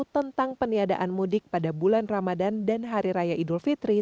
tentang peniadaan mudik pada bulan ramadan dan hari raya idul fitri